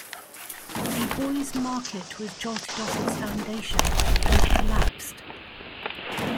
A Boys Market was jolted off its fouindation and collapsed.